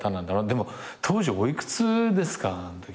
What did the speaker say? でも当時お幾つですかあのとき。